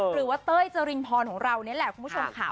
หรือว่าเต้ยเจริญพรของเราเนี่ยแหละคุณผู้ชมข่าว